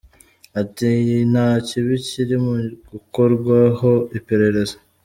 Ati "Nta kibi kiri mu gukorwaho iperereza.